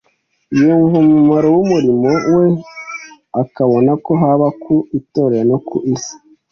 Yumva umumaro w’umurimo we, akabona ko, haba ku Itorero no ku isi,